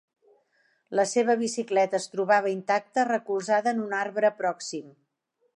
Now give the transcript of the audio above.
La seva bicicleta es trobava intacta, recolzada en un arbre pròxim.